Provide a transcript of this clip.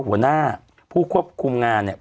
หัวหน้าผู้ควบคุมงานเนี่ย